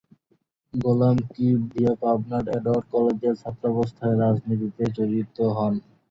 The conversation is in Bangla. গোলাম কিবরিয়া পাবনার এডওয়ার্ড কলেজের ছাত্রাবস্থায় রাজনীতিতে জড়িত হন।